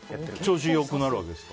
調子良くなるわけですか。